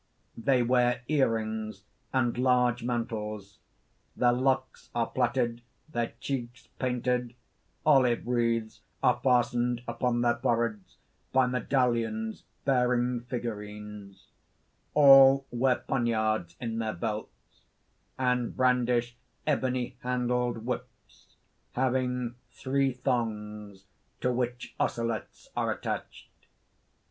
_ _They wear earrings and large mantles; their locks are plaited, their cheeks painted, olive wreaths are fastened upon their foreheads by medallions bearing figurines; all wear poniards in their belts, and brandish ebony handled whips, having three thongs to which osselets are attached.